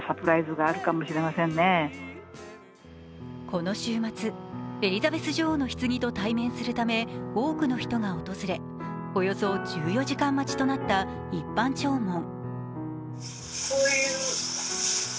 この週末、エリザベス女王のひつぎと対面するため多くの人が訪れ、およそ１４時間待ちとなった一般弔問。